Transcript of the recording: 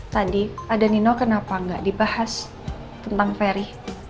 tadi ada nino kenapa nggak dibahas tentang ferry